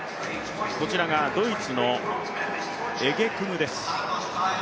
こちらがドイツのエゲクムです。